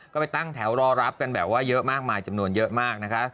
ก็ไปตั้งแถวรอรับกันแบบว่าเยอะมากมายจำนวนเยอะมากนะคะ